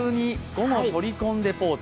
午後、取り込んでポーズ。